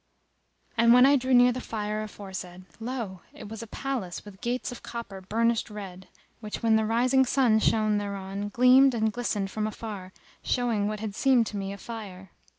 And when I drew near the fire aforesaid lo! it was a palace with gates of copper burnished red which, when the rising sun shone thereon, gleamed and glistened from afar showing what had seemed to me a fire.